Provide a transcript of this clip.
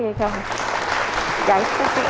ใจพ่อพี่ออกเลย